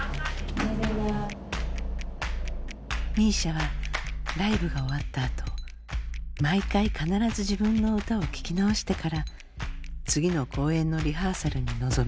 ＭＩＳＩＡはライブが終わったあと毎回必ず自分の歌を聴き直してから次の公演のリハーサルに臨みます。